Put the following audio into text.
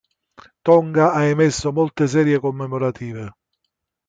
Tonga ha emesso molte serie commemorative.